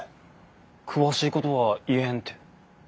詳しいことは言えんて。